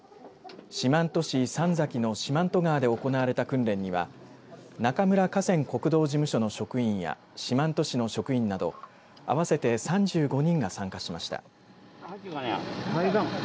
四万十市実崎の四万十川で行われた訓練には中村河川国道事務所の職員や四万十市の職員など合わせて３５人が参加しました。